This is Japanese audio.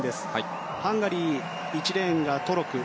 ハンガリー、１レーンがトロク。